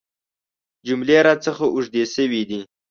جملې راڅخه اوږدې شوي دي .